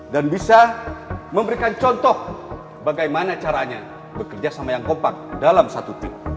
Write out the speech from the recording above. dan bisa memberikan contoh bagaimana caranya bekerja sama yang gompak dalam satu tim